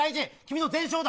君が全勝だ。